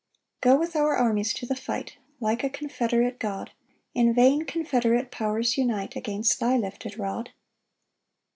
5 Go with our armies to the fight, Like a confederate God; In vain confederate powers unite Against thy lifted rod.